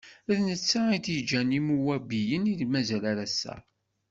D netta i d-iǧǧan Imuwabiyen, i mazal ar ass-a.